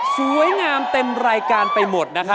สวยงามเต็มรายการไปหมดนะคะ